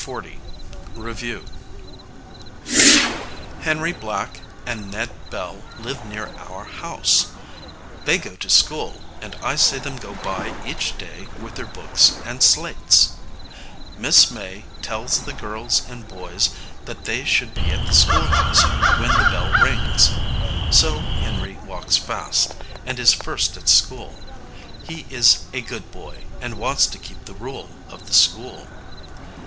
LESSON XL. REVIEW. Henry Black and Ned Bell live near our house. They go to school, and I see them go by each day with their books and slates. Miss May tells the girls and boys that they should be at the schoolhouse when the bell rings. So Henry walks fast, and is first at school. He is a good boy, and wants to keep the rule of the school.